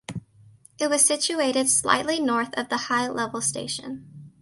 It was situated slightly north of the high level station.